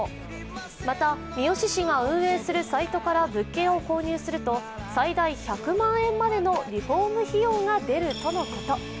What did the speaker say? また、三次市が運営するサイトから物件を購入すると最大１００万円までのリフォーム費用が出るとのこと。